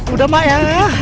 udah mak ya